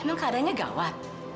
emang keadaannya gawat